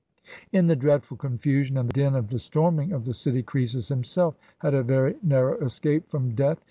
In the dreadful confusion and din of the storming of the city, Crcesus himself had a very narrow escape from death.